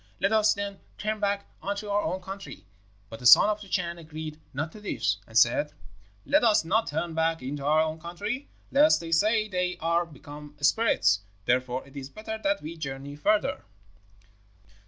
Let us then turn back unto our own country.' But the son of the Chan agreed not to this, and said, 'Let us not turn back into our own country, lest they say they are become spirits; therefore it is better that we journey further.'